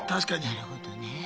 なるほどね。